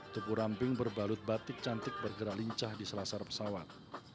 tubuh ramping berbalut batik cantik bergerak lincah di selasar pesawat